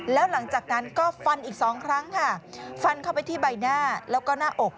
แล้วหลังจากนั้นก็ฟันอีกสองครั้งค่ะฟันเข้าไปที่ใบหน้าแล้วก็หน้าอก